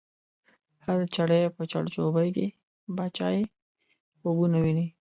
هر چړی په چړچوبۍ کی، باچایې خوبونه وینې